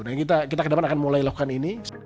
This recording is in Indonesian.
nah kita kedepan akan mulai lakukan ini